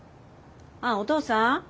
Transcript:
あお父さん？